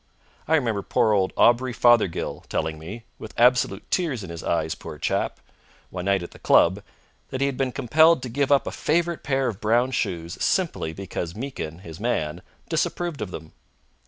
I remember poor old Aubrey Fothergill telling me with absolute tears in his eyes, poor chap! one night at the club, that he had been compelled to give up a favourite pair of brown shoes simply because Meekyn, his man, disapproved of them.